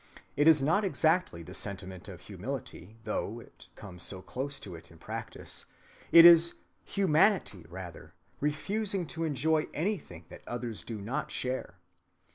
It is not exactly the sentiment of humility, though it comes so close to it in practice. It is humanity, rather, refusing to enjoy anything that others do not share.